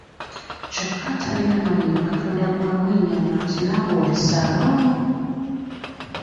Kyokka atalina mannyo Katonda gw'awa ennyama nti nawe oli ssaalongo!